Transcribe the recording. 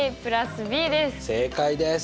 正解です。